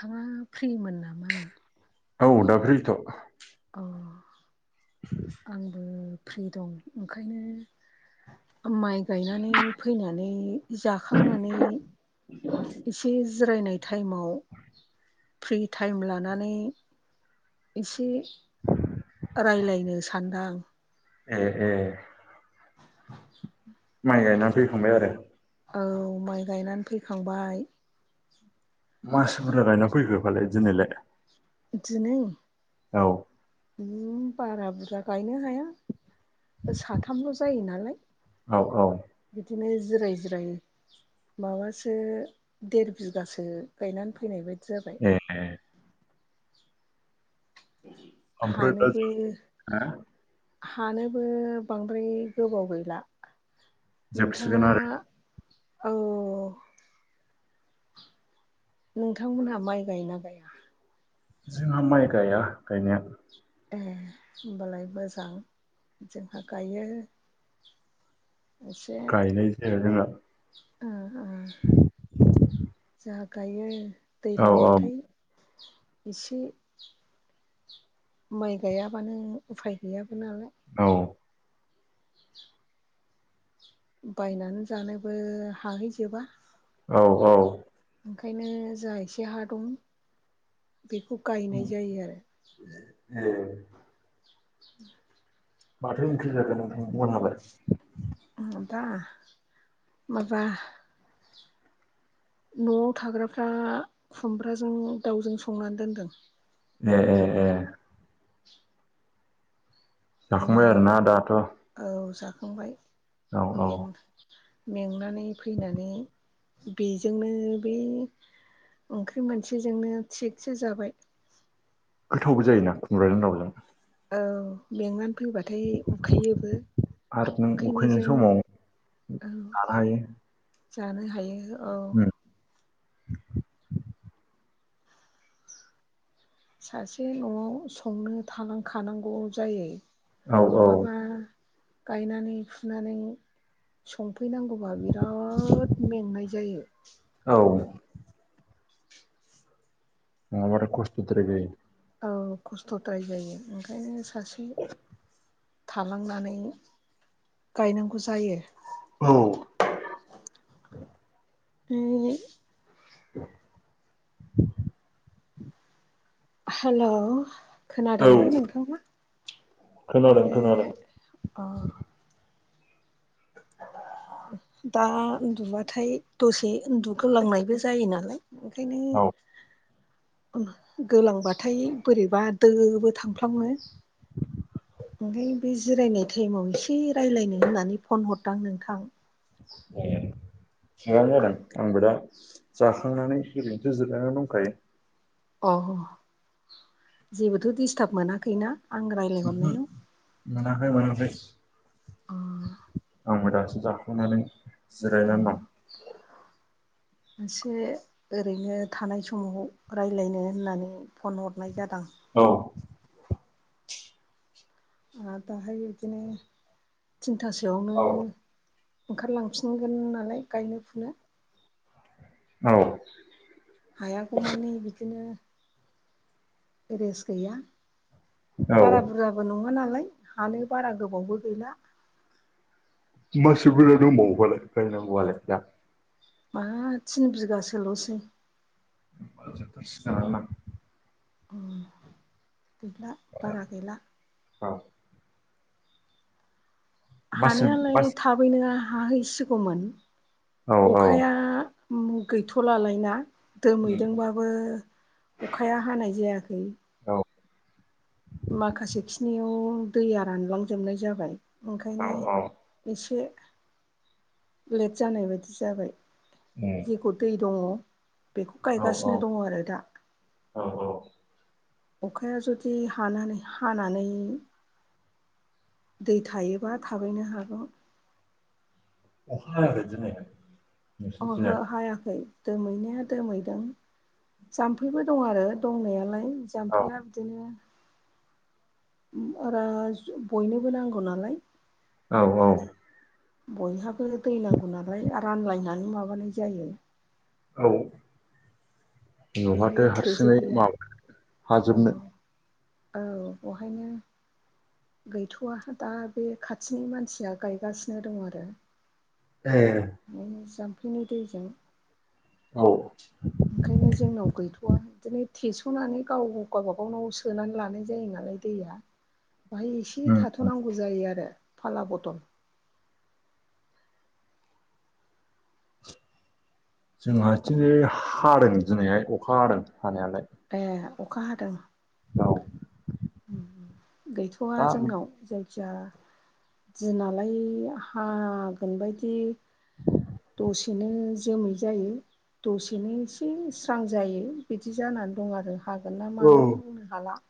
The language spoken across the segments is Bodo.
नोंथाङा फ्रिमोन नामा? औ दा फ्रिथ'। अ आंबो फ्रि दं ओंखायनो माइ गायनानै फैनानै जाखांनानै एसे जिरायनाय टाइमाव फ्रि टाइम लानानै एसे रायलायनो सान्दां। ए ए [inaudible] माइ गायनानै फैखांबाय आरो? औ माइ गायनानै फैखांबाय। मासि बुरजा गायना फैखो फालाय दिनैलाय? दिनै औ ओम बारा बुरजा गायनो हाया। साथामल' जायो नालाय। औ औ बिदिनो जिराय जिराय माबासो देर बिगासो गायनानै फैनाय बायदि जाबाय। ए ओमफ्राय दा हानोबो जों हा हानोबो बांद्राय गोबाव गैला। जोबसिगोन नोंथाङा आरो औ। नोंथांमोनहा माइ गायोना गाया? जोंहा माइ गाया गायनाया। ए होमबालाय मोजां। जोंहा गायो। गायनाय जाया जोंहा। उम उम जोहा गायो। औ दैज्लांबाथाय इसे माइ गायाबानो उफाय गैयाबो नालाय। औ। बायनानै जानोबो हाहैजोबा। औ औ। ओंखायनो जा एसे हा दं बेखौ गायनाय जायो आरो। [inaudible] [unintelligible] माथो ओंख्रि जागोन नोंथां मोनालाय? उम दा माबा न'आव थाग्राफ्रा खुमब्राजों दाउजों संनानै दोनदों। ए ए ए। जाखांबाय ओमफ्राय आरोना दाथ'। औ जाखांबाय औ ओं। मेंनानै फैनानै बेजोंनो बे ओंख्रि मोनसेजोंनो थिगसे जाबाय। गोथावबो जायोना खुमब्राजों दाउजों। औ मेंनानै फैबाथाय उखैयोबो। उखैनायजों उम औ जानो हायो। जानो हायो औ। [unintelligible] सासे न'आव संनो थालांखानांगौ जायो। औ औ नङाबा गायनानै फुनानै संफैनांगौबा बिराद मेंनाय जायो। औ। नङाबा आरो खस्थ'द्रायबो। औ खस्थ'द्राय जायो। ओंखायनो सासे थालांनानै गायनांगौ जायो। औ। [unintelligible] [unintelligible] हेलौ औ खोनादोंना नोंथाङा? खोनादों खोनादों। अ। [unintelligible] दा उन्दुबाथाय दसे उन्दुगोलांनायबो जायो नालाय। ओंखायनो औ उम गोलांबाथाय बोरैबा दोबो थांफ्लाङो। ओंखायनो बे जिरायनाय टाइमाव एसे रायलायनो होननानै फन हरदां नोंथां। ओ। थिगानो जादों आंबो दा जाखांनानै ओरैनोसो जिरायनानै दंखायो। अ जेबोथ' दिस्टाब मोनाखैना आं ओहो रायलायहरनायाव? मोनाखै मोनाखै। अ। आंबो दासो जाखांनानै औ जिरायनानै दं। मोनसे ओरैनो थानाय समाव रायलायनो होननानै फन हरनाय जादां औ आर दाहाय बिदिनो थिनथासोआवनो औ ओंखारलांफिनगोन नालाय गायनो फुनो औ हायागौमानि बिदिनो रेस्ट गैया औ बारा बुरजा बो नङा नालाय हानो बारा गोबावबो गैला मासि बुरजा दंबावो फालाय गायनांगौ आलाय दा? मा थिन बिगासोल'सै ओ जोबथार सिगोनानो ना ओ गैला बारा गैला औ मासि हानायालाय मास थाबैनो हाहैसिगौमोन औ औ अखाया ओम गैथ'लालायना दोमैदोंबाबो अखाया हानाय जायाखै औ माखासे खिनियाव दैया रानलांजोबनाय जाबाय औ ओंखायनो औ एसे लेट जानाय बादि जाबाय जेखौ दै दङ बेखौ औ गायगासिनो दङ आरो दा औ औ अखाया जुदि हानानै हानानै दै थायोबा थाबैनो हागौ अखा हायाखै दिनैहाय ओहो हायाखै दोमैनाया दोमैदों जाम्फैबो दं आरो दंनायालाय औ जाम्फैया बिदिनो ओम आर बयनोबो नांगौ नालाय औ औ बयहाबो दै नांगौ नालाय रानलायनानै माबानाय जायो औ बेहाय न'हाथो हारसिङै थोजोबहैया माब औ हाजोबनो औ अहायनो गैथ'वा दा बे खाथिनि मानसिया गायगासिनो दङ आरो एहे ओम जाम्फैनि दैजों औ ओंखायनो जोंनाव गैथ'वा बिदिनो थेस'नानै गाव गाबा गावनाव सोनानै लानाय जायो नालाय दैया बाहाय एसे उम थाथ'नांगौ जायो आरो फाला बदल जोंहा बिथिं हादों दिनैहाय अखा हादों हानायालाय ए अखा हादों औ ओम ओम गैथ'वा दा जोंनाव जाय खिया दिनालाय हागोन बायदि दसे सेनो जोमै जायो दसेनो एसे स्रां जायो बिदि जानानै दं आरो हागोन ना औ मागोन बुंनो हाला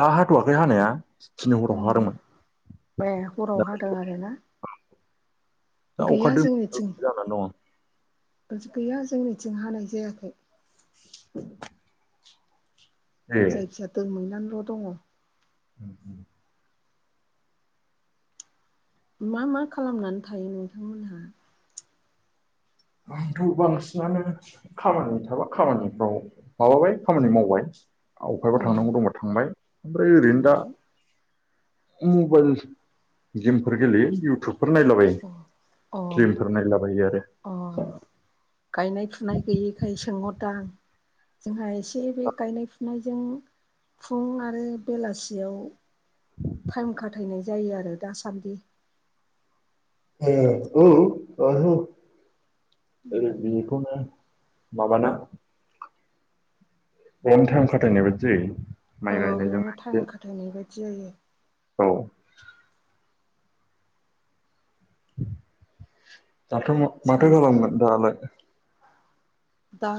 दा हाथ'वाखै हानाया दनै हराव हादोंमोन ए हराव दा हादों आरो ना दा अखा गैया दोमैलु जोंनिथिं जानानै दङ गैया जोंनिथिं हानाय जायाखै लांदां जायखिजाया दै मोननानैल' दङ। उम उम मा मा खालामनानै थायो नोंथांमोनहा? आं बांसिनानो खामानि थाबा खामानिफ्राव माबाबाय खामानि मावबाय। अबहायबा अ थांनांगौ दंबा थांबाय ओमफ्राय ओरैनो दा थांबाय मबाइल गेमफोर गेलेयो इउटुब। फोर नायलाबायो अ फिल्मफोर नायलाबायो आरो। ओम गायनाय फुनाय गैयैखाय सोंह रदां जोंहा एसे बे गायनाय फुनायजों फुं आरो बेलासियाव टाइम खाथायनाय जायो आरो दासान्दि। ए औ ओहो ओ बेखौनो माबाना बेयावनो टाइम खाथायनाय बायदि जायो। माइ औ गायनायजों बेयावनो एसे टाइम खाथायनाय बायदि जायो। औ दाथ' सान माथो खालामनो दालाय दा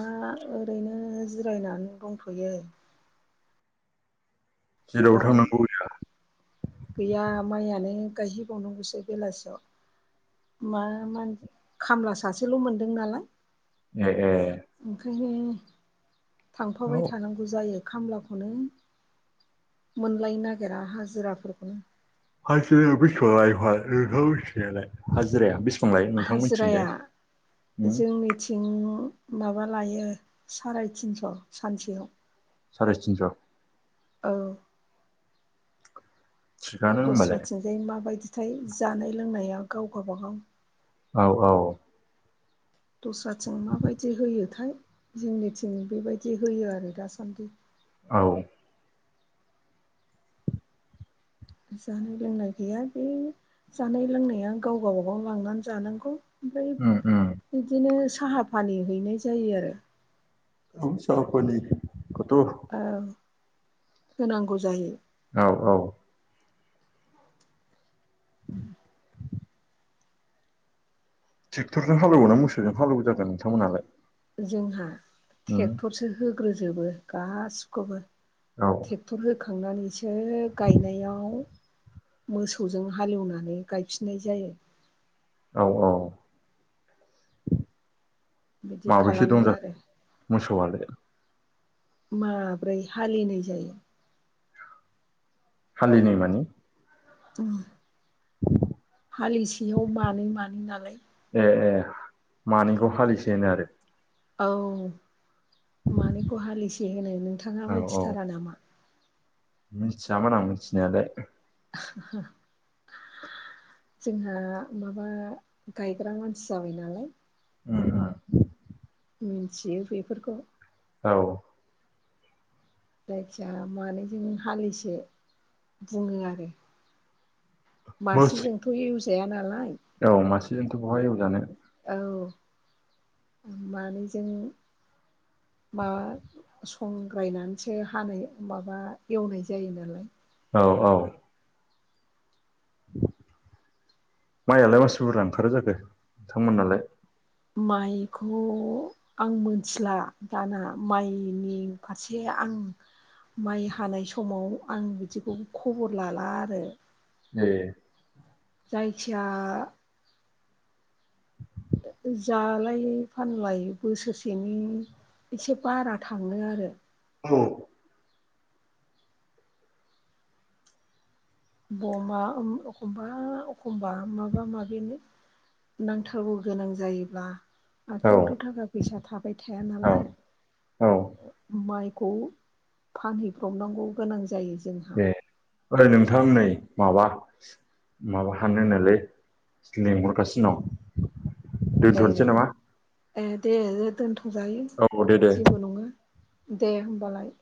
ओरैनो जिरायनानै दंथ'यो। जेरावबो दायो थांनांगौ गैया माइयानो गायहैबावनांगौसो बेलासियाव। मा मा खामला सासेल' मोनदों नालाय। ए ए ओंखायनो औ थांफाबाय थानांगौ। जायो खामलाखौनो मोनलायनो नागिरा हाजिराफोरखौनो। हाजिराया बिसेबां लायो ओमफ्राय नोंसिनि थिंजाय हाजिराया बेसे हाजिराया जोंनि थिं माबा लायो साराय तिनस' सानसेयाव। साराय तिनस'। औ थिगानो होमबालाय दस्राथिंजाय माबायदिथाय जानाय लोंनाया गाव गावबागाव औ औ दस्राथिं माबायदि होयोथाय जोंनिथिं बेबायदि होयो आरो दासान्दि। औ जानाय लोंनाय गैया बे जानाय लोंनाया गाव गावबागाव लांनानै जानांगौ। ओमफ्राय बिदिनो साहा फानि हैनाय जायो आरो। औ साहा फानि खौथ' औ होनांगौ जायो। औ औ उम ट्रेक्टरजों हालौओना मोसौजों हालौओ जाखो नोंथांमोनालाय? जोंहा ट्रेक्टरसो होग्रोजोबो गासिखौबो। औ टर होखांनानैसो गायनायाव मोसौजों हालेवनानै गायफिननाय जायो। औ औ बिदि माबैसे खालामो दं जाखो? आरो मोसौआलाय? माब्रै हालिनै जायो। हालिनै माने उम हालिसेयाव मानै मानै नालाय ए ए मानैखौ हालिसे होनो आरो। औ मानै खौ हालिसे होनो नोंथाङा आरो औ मिथिथारा नामा? मिथियामोन आं मिथिनायालाय। [unintelligible] जोंहा माबा गायग्रा मानसि जाबाय नालाय। ओम ओम मिन्थियो बेफोरखौ। औ जायखिया मानैजों हाैसे बुङो आरो मोस मासेजोंथ' एवजाया नालाय। औ मासेजोंथ' बहाय एवजानो। औ मानै जोंक मा संग्रायनानैसो हानाय माबा एवनाय जायो नालाय। औ औ माइयालाय मानसिफोरुर लांखारो जाखो नोंथांमोन नालाय? माइखौ आं मिथिला दाना माइनि फारसे आं माइ हानाय समाव आं बिदिखौ खबर लाला आरो ए जायखिजया जालाय फानलाय बोसोरसेनि एसे बारा थाङो आरो [unintelligible] बमा एखमबा एखमबा माबा माबिनो। नांथारौ गोनां जायोब्ला औ आखयावथ' थाखा फैसा थाबाय थाया नालाय। औ माइखौ फानहैब्रबनांगौ गोनां जायो। जोंहा ए ओइ नोंथां नै माबा माबा हाननो नोलै होननायलाय लिंहरगासिनो दं। ए दोनथ'नोसै नामा ए दे दोनथ'जायो औ दे दे जेबो नङा। दे होमबालाय।